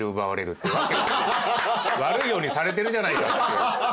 悪いようにされてるじゃないかって。